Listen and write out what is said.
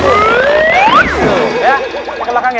ya ke belakang ya